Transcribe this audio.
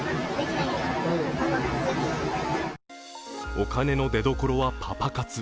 お金の出どころはパパ活。